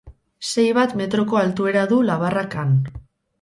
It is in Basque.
Sei bat metroko altuera du labarrak han.